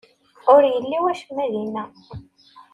Ur yelli wacemma dinna.